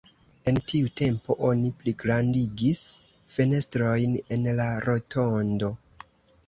En tiu tempo oni pligrandigis fenestrojn en la rotondo.